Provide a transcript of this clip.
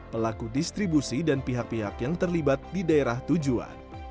pelaku distribusi dan pihak pihak yang terlibat di daerah tujuan